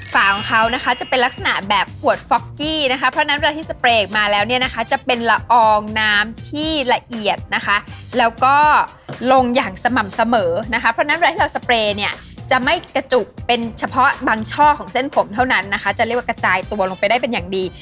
ฝาของเขานะคะจะเป็นลักษณะแบบขวดฟอกกี้นะคะเพราะฉะนั้นเวลาที่สเปรย์มาแล้วเนี่ยนะคะจะเป็นละอองน้ำที่ละเอียดนะคะแล้วก็ลงอย่างสม่ำเสมอนะคะเพราะฉะนั้นเวลาที่เราสเปรย์เนี่ยจะไม่กระจุกเป็นเฉพาะบางช่อของเส้นผมเท่านั้นนะคะจะเรียกว่ากระจายตัวลงไปได้เป็นอย่างดี